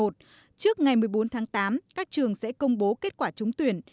trước ngày một mươi bốn tháng tám các trường sẽ công bố kết quả trúng tuyển